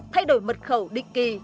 thay đổi mật khẩu định kỳ